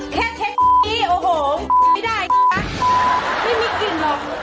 แค่เช็ดโอ้โหไม่ได้ไม่มีกลิ่นหรอก